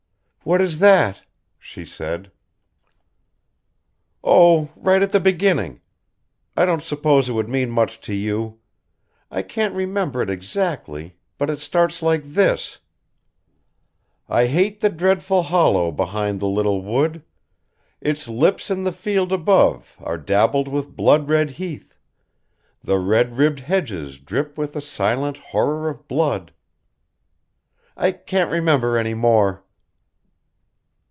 "What is that?" she said. "Oh, right at the beginning. I don't suppose it would mean much to you. I can't remember it exactly, but it starts like this: I hate the dreadful hollow behind the little wood, Its lips in the field above are dabbled with blood red heath, The red ribbed ledges drip with a silent horror of blood ... I can't remember any more..."